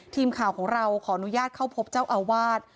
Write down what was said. ทีมข่าวของเราขออนุญาตเข้าพบเจ้าอาวาส